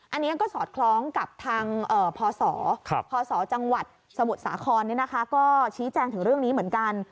อันนี้ก็สอดคล้องกับทางพศพศจังหวัดสมุทรสาครก็ชี้แจงถึงเรื่องนี้เหมือนกัน